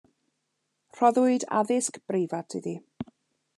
Rhoddwyd addysg breifat iddi.